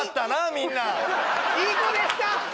みんないい子でした！